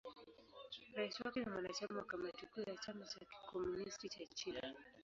Rais wake ni mwanachama wa Kamati Kuu ya Chama cha Kikomunisti cha China.